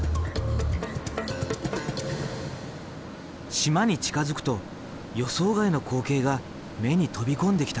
島に近づくと予想外の光景が目に飛び込んできた。